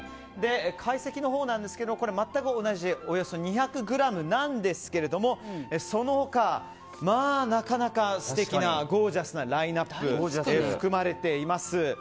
会席のほうですが全く同じでおよそ２００ｇですがその他、なかなか素敵なゴージャスなラインアップが含まれています。